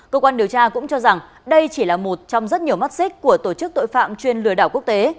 cơ quan điều tra cũng cho rằng đây chỉ là một trong rất nhiều mắt xích của tổ chức tội phạm chuyên lừa đảo quốc tế